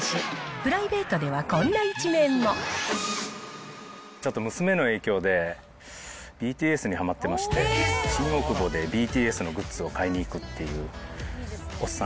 プライベートでは、こんな一面もちょっと娘の影響で、ＢＴＳにはまってまして、新大久保でＢＴＳのグッズを買いに行くっていう、おっさん